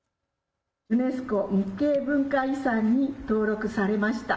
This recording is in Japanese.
ユネスコ無形文化遺産に登録されました。